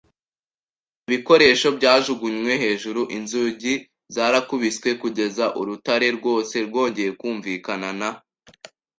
ibikoresho byajugunywe hejuru, inzugi zarakubiswe, kugeza urutare rwose rwongeye kumvikana na